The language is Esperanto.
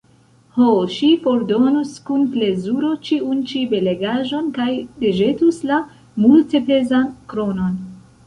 Ho, ŝi fordonus kun plezuro ĉiun ĉi belegaĵon kaj deĵetus la multepezan kronon!